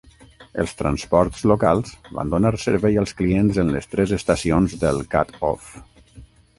Els transports locals van donar servei als clients en les tres estacions del Cut-Off.